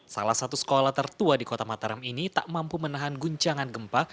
salah satu sekolah tertua di kota mataram ini tak mampu menahan guncangan gempa